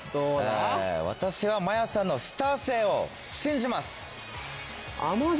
私はマヤさんのスター性を信じます。